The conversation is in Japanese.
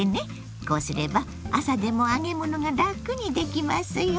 こうすれば朝でも揚げ物がラクにできますよ。